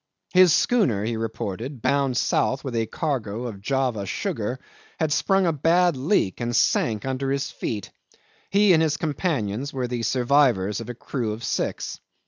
His schooner, he reported, bound south with a cargo of Java sugar, had sprung a bad leak and sank under his feet. He and his companions were the survivors of a crew of six.